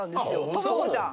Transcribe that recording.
ともこちゃん。